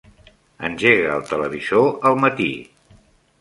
Engega el televisor al matí.